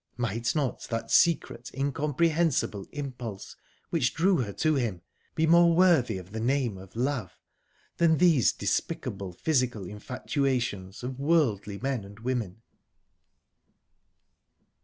Might not that secret, incomprehensible impulse which drew her to him be more worthy of the name of love than these despicable physical infatuations of worldly men and women?...